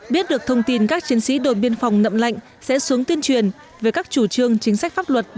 biết được thông tin các chiến sĩ đồn biên phòng nậm lạnh sẽ xuống tiên truyền về các chủ trương chính xác